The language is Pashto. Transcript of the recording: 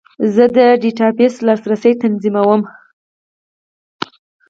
زه د ډیټابیس لاسرسی تنظیموم.